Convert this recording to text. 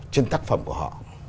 trên tác phẩm của họ